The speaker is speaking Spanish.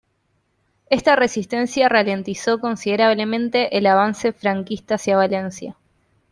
Esta resistencia ralentizó considerablemente el avance franquista hacia Valencia.